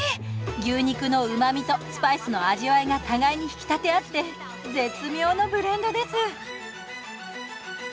牛肉のうまみとスパイスの味わいが互いに引き立て合って絶妙のブレンドです。